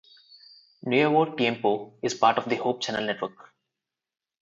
Nuevo Tiempo is part of the Hope Channel network.